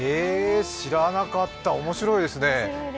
知らなかった、面白いですね。